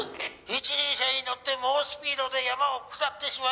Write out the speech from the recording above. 「一輪車に乗って猛スピードで山を下ってしまいまして」